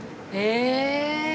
へえ！